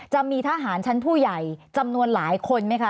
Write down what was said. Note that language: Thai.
จะมีทหารชั้นผู้ใหญ่จำนวนหลายคนไหมคะ